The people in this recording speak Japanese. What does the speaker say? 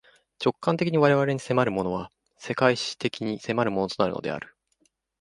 直観的に我々に迫るものは、世界史的に迫るものとなるのである。